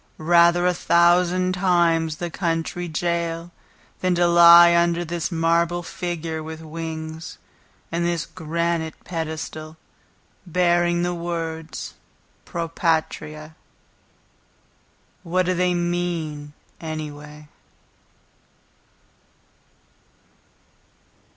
Rather a thousand times the county jail Than to lie under this marble figure with wings, And this granite pedestal Bearing the words, "Pro Patria." What do they mean, anyway?